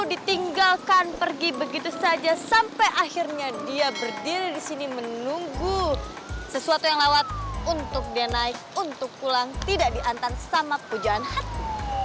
ditinggalkan pergi begitu saja sampai akhirnya dia berdiri di sini menunggu sesuatu yang lewat untuk dia naik untuk pulang tidak diantar sama pujaan hati